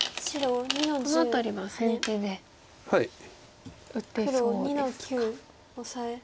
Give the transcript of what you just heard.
この辺りは先手で打てそうですか。